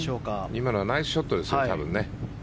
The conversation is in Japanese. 今のはナイスショットですよ多分ね。